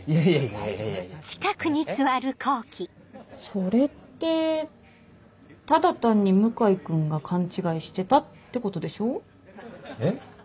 それってただ単に向井君が勘違いしてたってことでしょ？え？